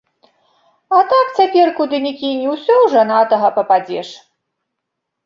А так, цяпер куды ні кінь, усё ў жанатага пападзеш.